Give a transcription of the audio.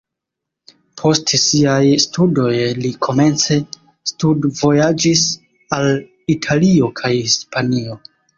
Post siaj studoj li komence studvojaĝis al Italio kaj Hispanio.